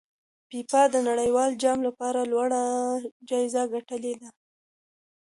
فیفا د نړیوال جام لپاره لوړه جایزه ټاکلې ده.